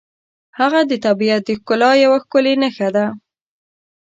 هغه د طبیعت د ښکلا یوه ښکلې نښه ده.